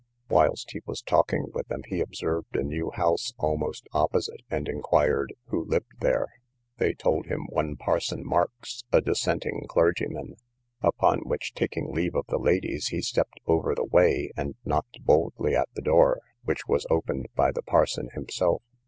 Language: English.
Whilst he was talking with them, he observed a new house almost opposite, and inquired who lived there. They told him one parson Marks, a dissenting clergyman; upon which, taking leave of the ladies, he stept over the way, and knocked boldly at the door, which was opened by the parson himself.